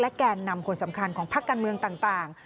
แกนนำคนสำคัญของพักการเมืองต่าง